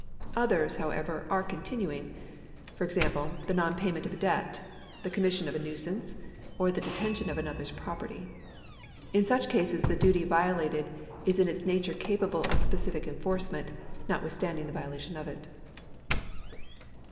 Others, how ever, are continuing ; for example, the non payment of a debt, the commission of a nuisance, or the detention of another's property. In such cases the duty violated is in its nature capable of specific enforcement, notwithstanding the violation of it.